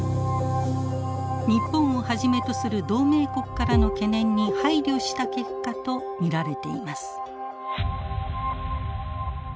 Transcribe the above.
日本をはじめとする同盟国からの懸念に配慮した結果と見られています。